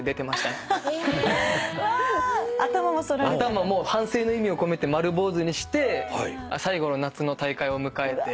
頭も反省の意味を込めて丸坊主にして最後の夏の大会を迎えて。